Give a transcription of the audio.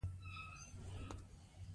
غل د بې ایمانه کسانو په ډله کې شامل دی